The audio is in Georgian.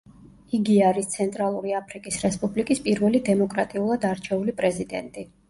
იგი არის ცენტრალური აფრიკის რესპუბლიკის პირველი დემოკრატიულად არჩეული პრეზიდენტი.